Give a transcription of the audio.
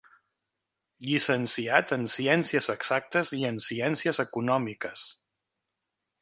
Llicenciat en Ciències Exactes i en Ciències Econòmiques.